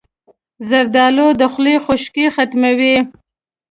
زردالو د خولې خشکي ختموي.